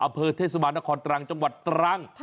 อำเภอเทศบาลนครตรังจังหวัดตรัง